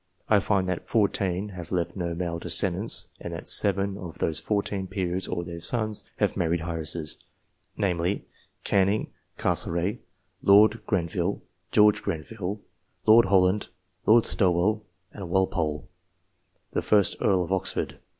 I find that fourteen have left no male descendants, and that seven of those fourteen peers or their sons have married heiresses namely, Canning, Castlereagh, Lord Grenville, George Grenville, Lord Holland, Lord Stowell, and Walpole (the first Earl of Orford).